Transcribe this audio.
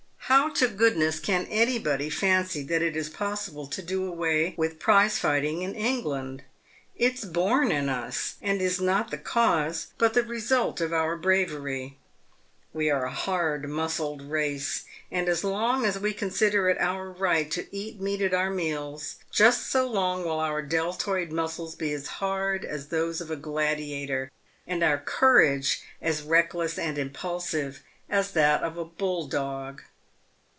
How to goodness can any body fancy that it is possible to do away with prize fighting in Eng land ? It's born in us, and is not the cause, but the result of our bravery. We are a hard muscled race, and as long as we consider it our right to eat meat at our meals, just so long will our deltoid muscles be as hard as those of a gladiator, and our courage as reck PAVED WITH GOLD. 183 less and impulsive as that of a bull dog.